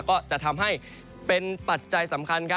ก็จะทำให้เป็นปัจจัยสำคัญ